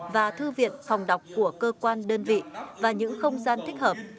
và thư viện phòng đọc của cơ quan đơn vị và những không gian thích hợp